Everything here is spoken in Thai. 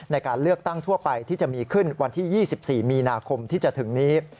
ในการเลือกตั้งทั่วไปที่จะมีขึ้นวันที่๒๔มีนาคมที่จะถึงนี้